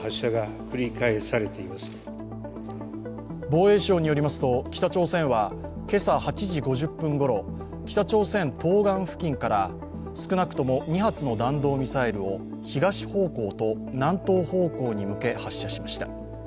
防衛省によりますと北朝鮮は今朝８時５０分頃北朝鮮東岸付近から少なくとも２発の弾道ミサイルを東方向と南東方向に向け発射しました。